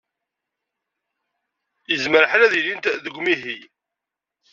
Yezmer lḥal ad ilint deg umihi.